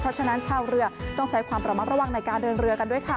เพราะฉะนั้นชาวเรือต้องใช้ความระมัดระวังในการเดินเรือกันด้วยค่ะ